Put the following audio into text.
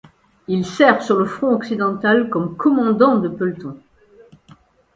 Il sert sur le front occidental comme commandant de peloton.